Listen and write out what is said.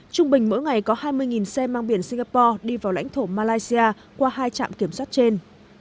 trung bình mỗi ngày có hai mươi xe mang biển singapore đi vào lãnh thổ malaysia qua hai trạm kiểm soát trên